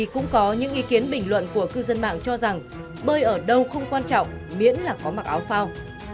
cũng có những ý kiến bình luận của cư dân mạng cho rằng bơi ở đâu không quan trọng miễn là có mặc áo phao